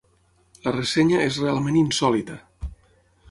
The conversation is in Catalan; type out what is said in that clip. La ressenya és realment insòlita.